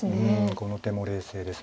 この手も冷静です。